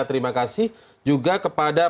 terima kasih juga kepada